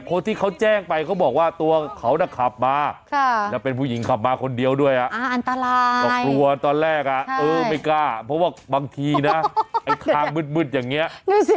ดูสิขึ้นไปยังไม่ตื่นเลยอะ